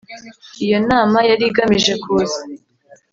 Iyo nama yari igamije kuza